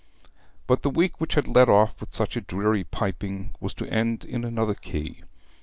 But the week which had led off with such a dreary piping was to end in another key.